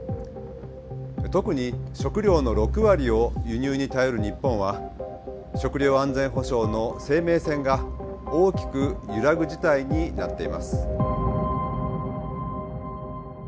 特に食料の６割を輸入に頼る日本は食料安全保障の生命線が大きく揺らぐ事態になっています。